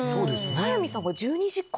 早見さんが１２時間。